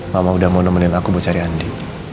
mama udah mau nemenin aku buat cari andi